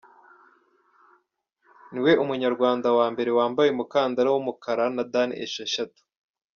Niwe munyarwanda wa mbere wambaye umukandara w’umukara na “dan” esheshatu.